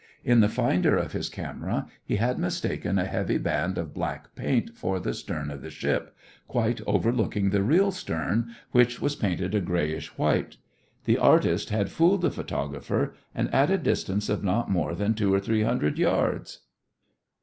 In the finder of his camera, he had mistaken a heavy band of black paint for the stern of the ship, quite overlooking the real stern, which was painted a grayish white. The artist had fooled the photographer and at a distance of not more than two or three hundred yards!